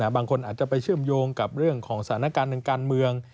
บางคนอาจจะไปเชื่อมโยงกับเรื่องของสถานการณ์ทางการเมือง